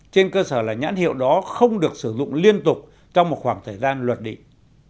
trên cơ sở là nhãn hiệu đó không được sử dụng liên tục trong một khoảng thời gian luật định